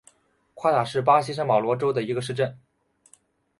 夸塔是巴西圣保罗州的一个市镇。